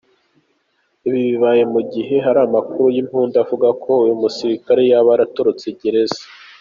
Ibi bibaye mugihe hari amakuru y’impuha avuga ko uyu musilikare yaba yaratorotse gereza.